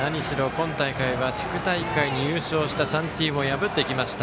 今大会は地区大会に優勝した３チームを破ってきました。